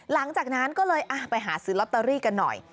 หลังจากนั้นก็เลยไปหาซื้อลอตเตอรี่กันหน่อย